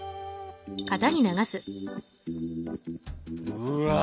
うわ